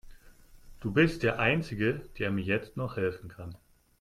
Du bist der einzige, der mir jetzt noch helfen kann.